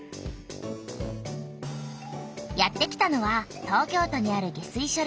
やってきたのは東京都にある下水しょ